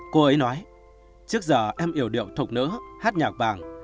cô ấy nói trước giờ em yêu điệu thục nữ hát nhạc vàng